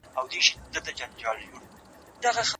هغه د تاريخ په اړه کلي نظر درلود.